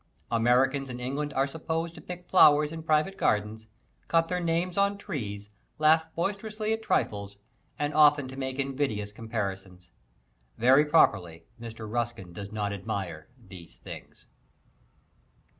Americans in England are supposed to pick flowers in private gardens, cut their names on trees, laugh boisterously at trifles, and often to make invidious comparisons. Very properly, Mr. Ruskin does not admire these things.